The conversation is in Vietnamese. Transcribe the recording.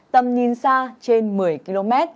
tầm nhìn xa trên một mươi km